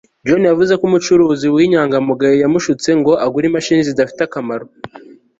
John yavuze ko umucuruzi winyangamugayo yamushutse ngo agure imashini zidafite akamaro